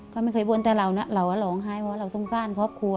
ก็ไม่เคยบ่นแต่เรานะเราก็ร้องไห้เพราะเราสงสารครอบครัว